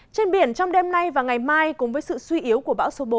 trên biển trong đêm nay và ngày mai cùng với sự suy yếu của bão số bốn